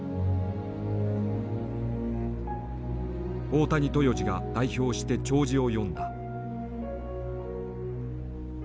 大谷豊二が代表して弔辞を読んだ。